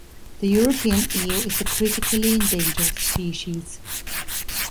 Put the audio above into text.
The European eel is a critically endangered species.